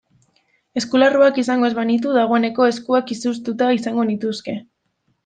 Eskularruak izango ez banitu dagoeneko eskuak izoztuta izango nituzke.